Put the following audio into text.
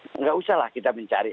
tidak usahlah kita mencari